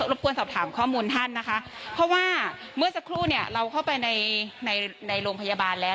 บกวนสอบถามข้อมูลท่านนะคะเพราะว่าเมื่อสักครู่เนี่ยเราเข้าไปในในโรงพยาบาลแล้ว